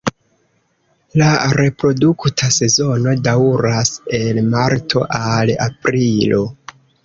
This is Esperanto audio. La reprodukta sezono daŭras el marto al aprilo.